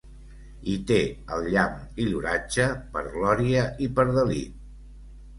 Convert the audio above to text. I té el llamp i l'oratge per glòria i per delit.